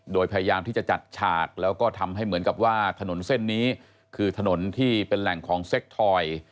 โดยพยายามที่จะจัดฉากแล้วก็ทำให้เหมือนกับว่าถนนเส้นนี้คือถนนที่เป็นแหล่งของเซ็กทอย